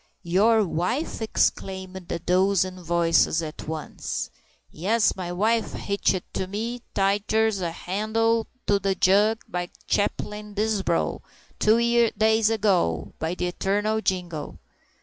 "Your wife!" exclaimed a dozen voices at once. "Yes, my wife! Hitched to me tighter'n a handle to the jug, by Chaplain Disbrow, two days ago, by the eternal jingo!"